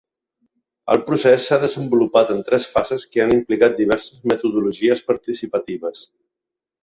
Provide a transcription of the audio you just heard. El procés s’ha desenvolupat en tres fases que han implicat diverses metodologies participatives.